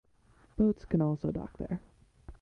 Boats can also dock there.